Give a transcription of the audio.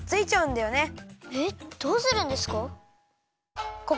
えっどうするんですか？